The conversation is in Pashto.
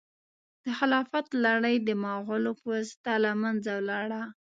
د خلافت لړۍ د مغولو په واسطه له منځه ولاړه.